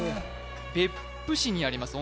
別府市にあります